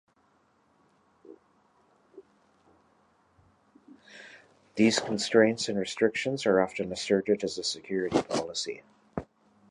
These constraints and restrictions are often asserted as a security policy.